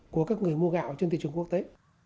của các người mua gạo trên thị trường quốc tế